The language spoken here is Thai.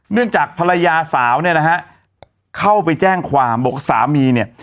เนื่องจากภรรยาสาวเนี่ยนะฮะเข้าไปแจ้งความบอกสามีเนี่ย